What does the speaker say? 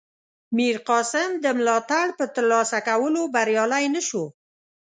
میرقاسم د ملاتړ په ترلاسه کولو بریالی نه شو.